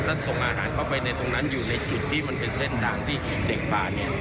ถ้าส่งอาหารเข้าไปในตรงนั้นอยู่ในจุดที่มันเป็นเส้นทางที่เด็กป่าเนี่ย